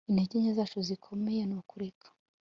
intege nke zacu zikomeye ni ukureka